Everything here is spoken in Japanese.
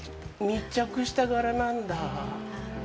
密着した柄なんだ。